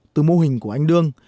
từ mô hình của anh đương